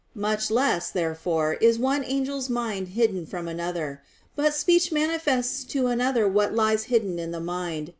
Much less, therefore, is one angel's mind hidden from another. But speech manifests to another what lies hidden in the mind.